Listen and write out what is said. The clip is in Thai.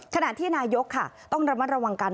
ขณะที่นายกค่ะต้องระมัดระวังกัน